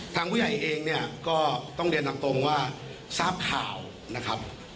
ทางผู้ใหญ่เองเนี่ยก็ต้องเรียนตามตรงว่าทราบข่าวนะครับ